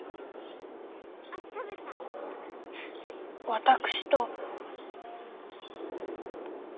私と。